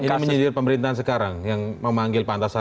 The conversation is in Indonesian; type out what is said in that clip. ini menjadi pemerintahan sekarang yang memanggil pak antasari